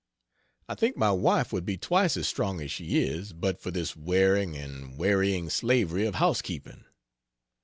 I think my wife would be twice as strong as she is, but for this wearing and wearying slavery of house keeping.